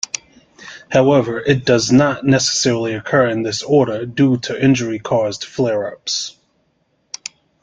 However, it does not necessarily occur in this order due to injury-caused flare-ups.